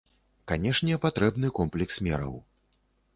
Канешне, патрэбны комплекс мераў.